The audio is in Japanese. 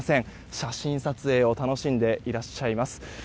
写真撮影を楽しんでいらっしゃいます。